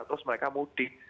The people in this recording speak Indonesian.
terus mereka mudik